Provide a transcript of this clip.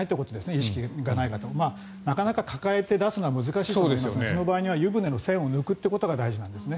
意識がない方になかなか抱えて出すのは難しいと思いますのでその場合は湯船の栓を抜くことが大事なんですね。